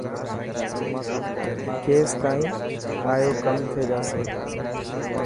ڪيس تائن ايئو ڪم ٿي جاسي.